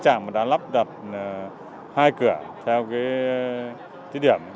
trạm mới được lắp đặt hai cửa theo cái tiết điểm